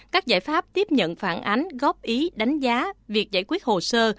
các giải pháp tiếp nhận phản ánh góp ý đánh giá việc giải quyết hồ sơ